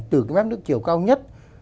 từ cái mép nước chiều cao nhất